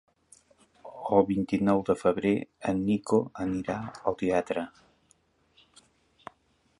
El vint-i-nou de febrer en Nico anirà al teatre.